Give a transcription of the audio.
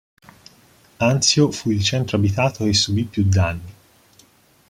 Anzio fu il centro abitato che subì più danni.